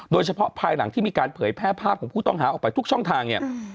โดยเฉพาะภายหลังที่มีการเผยแพร่ภาพของผู้ต้องหาออกไปทุกช่องทางเนี่ย